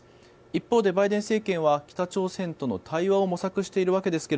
一方で、バイデン政権は北朝鮮との対話を模索しているわけですが